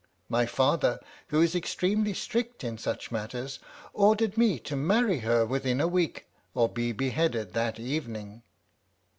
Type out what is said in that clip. My father, who is extremely strict in such matters, ordered me to marry her within a week or be beheaded that evening.